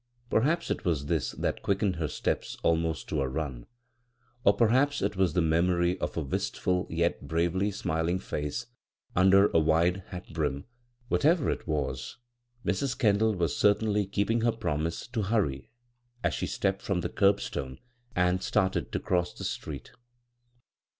Perhaps it was this that quickened her steps almost to a run, or per haps it was the memory of a wistful, yet bravely smiling face under a wide halt brim — whatever it was. Mis. Kendall was certainly keepiug ho' promise to " hurry " as she stepped from the curbstone and started to cross the street.